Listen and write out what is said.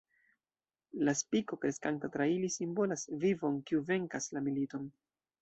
La spiko, kreskanta tra ili, simbolas vivon, kiu venkas la militon.